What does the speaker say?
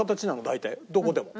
大体どこでも。